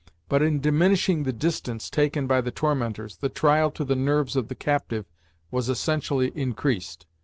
But in diminishing the distance taken by the tormentors, the trial to the nerves of the captive was essentially increased.